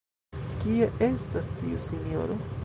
Kie estas tiu sinjoro?